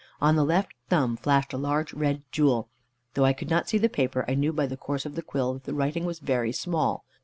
On the left thumb flashed a large red jewel. Though I could not see the paper, I knew by the course of the quill that the writing was very small.